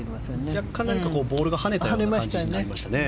若干何かボールがはねた感じになりましたね。